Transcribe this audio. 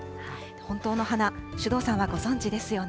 本当の花、首藤さんはご存じですよね。